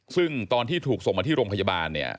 ซึ่งตอนที่ถูกส่งมาที่โรงพยาบาลเนี่ย